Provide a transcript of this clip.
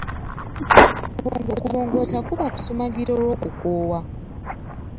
Okubongoota kuba kusumagira olw'okukoowa.